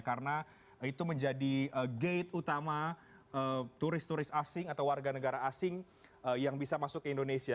karena itu menjadi gate utama turis turis asing atau warga negara asing yang bisa masuk ke indonesia